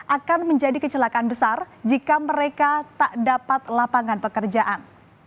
akan menjadi kecelakaan besar jika mereka tak dapat lapangan pekerjaan